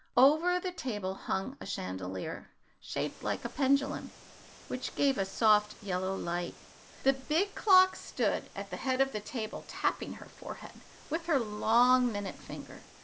Over the table hung a chandelier, shaped like a pendulum, which gave a soft yellow light. The big clock stood at the head of the table, tapping her forehead with her long minute finger.